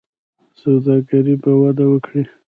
سوداګري به وده وکړي.